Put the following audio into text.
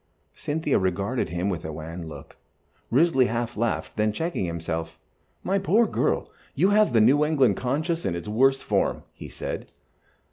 Cynthia regarded him with a wan look. Risley half laughed, then checked himself. "My poor girl, you have the New England conscience in its worst form," he said.